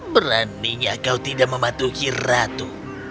beraninya kau tidak mematuhi ratu